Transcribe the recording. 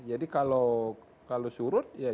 jadi kalau surut ya